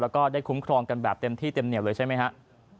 แล้วก็ได้คุ้มครองกันแบบเต็มที่เต็มเหนียวเลยใช่ไหมครับ